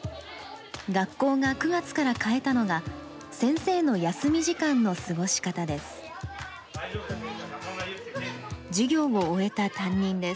学校が９月から変えたのが、先生の休み時間の過ごし方です。